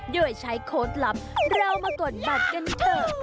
โดยใช้โค้ดลับเรามากดบัตรกันเถอะ